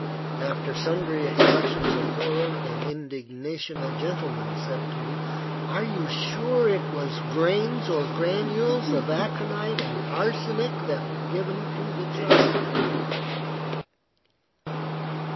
After sundry expressions of horror and indignation, a gentleman said to me "Are you sure it was grains or granules of aconite and arsenic that were given to the child?"